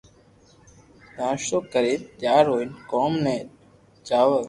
ناݾتو ڪرين تيار ھوئين ڪوم تي جاوُث